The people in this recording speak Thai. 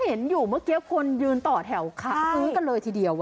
เห็นอยู่เมื่อกี้คนยืนต่อแถวขาพื้นกันเลยทีเดียว